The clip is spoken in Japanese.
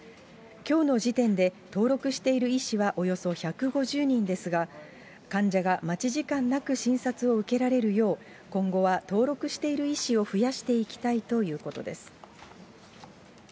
きょうの時点で、登録している医師はおよそ１５０人ですが、患者が待ち時間なく診察を受けられるよう、今後は、登録している医師を増やしていきたいということです。